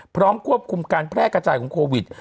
พร้อมควบคุมการแพร่กระจายของโควิด